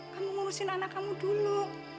kamu ngurusin anak kamu dulu